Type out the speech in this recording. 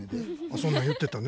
そんなん言ってたね。